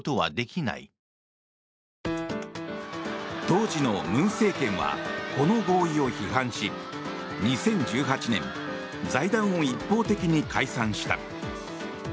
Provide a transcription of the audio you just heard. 当時の文政権はこの合意を批判し２０１８年財団を一方的に解散した。